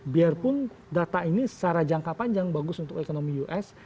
biarpun data ini secara jangka panjang bagus untuk ekonomi us